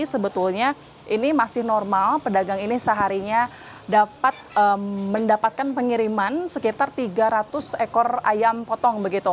sebetulnya ini masih normal pedagang ini seharinya dapat mendapatkan pengiriman sekitar tiga ratus ekor ayam potong begitu